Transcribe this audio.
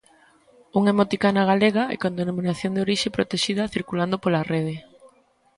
Unha emoticona galega e con denominación de orixe protexida circulando pola rede.